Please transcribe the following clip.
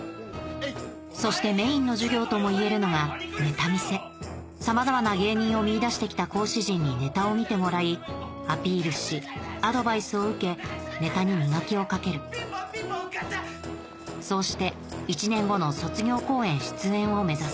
そしてメインの授業ともいえるのがネタ見せさまざまな芸人を見いだしてきた講師陣にネタを見てもらいアピールしアドバイスを受けネタに磨きをかけるそうして１年後の卒業公演出演を目指す